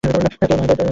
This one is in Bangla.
কেউ নয়ে দর ধরতে ইচ্ছুক?